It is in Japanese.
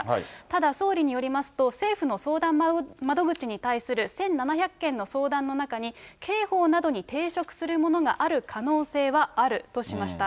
ただ総理によりますと、政府の相談窓口に対する１７００件の相談の中に、刑法などに抵触するものがある可能性はあるとしました。